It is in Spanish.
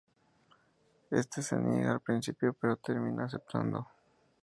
Este se niega al principio pero termina aceptando.